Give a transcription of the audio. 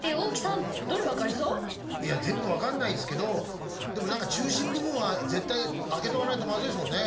いや全部分かんないっすけどでも何か中心部分は絶対あけとかないとまずいですもんね。